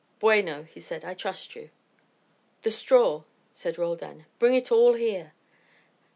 "Bueno," he said. "I trust you." "The straw," said Roldan. "Bring it all here."